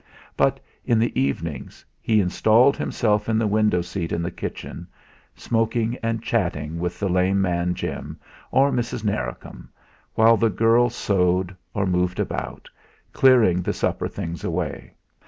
But in the evenings he installed himself in the window seat in the kitchen, smoking and chatting with the lame man Jim, or Mrs. Narracombe, while the girl sewed, or moved about, clearing the supper things away.